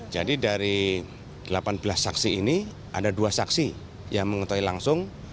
dari delapan belas saksi ini ada dua saksi yang mengetahui langsung